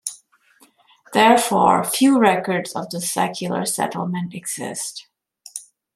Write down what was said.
Therefore, few records of the secular settlement exist.